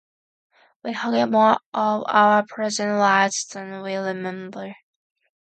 We forget more of our present lives than we remember.